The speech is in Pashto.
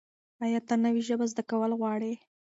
ایا ته نوې ژبه زده کول غواړې؟